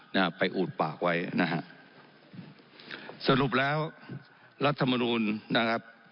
นะฮะไปอูดปากไว้นะฮะสรุปแล้วรัฐมนูลนะครับ